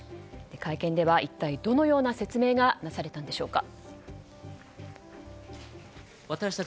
会見では一体どのような説明がなされたんでしょうか。